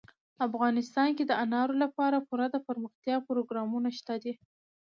افغانستان کې د انارو لپاره پوره دپرمختیا پروګرامونه شته دي.